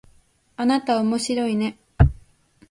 あなたおもしろいね